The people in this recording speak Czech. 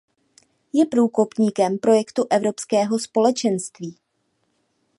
Je průkopníkem projektu Evropského společenství.